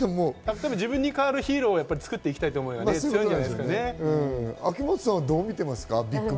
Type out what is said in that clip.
自分に代わるヒーローを作っていきたいという思いが強いんじゃな秋元さんはどうみていますか？